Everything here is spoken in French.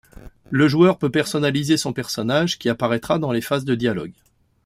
Le joueur peut personnaliser son personnage, qui apparaîtra dans les phases de dialogue.